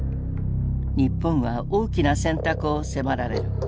日本は大きな選択を迫られる。